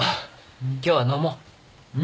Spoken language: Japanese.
今日は飲もう。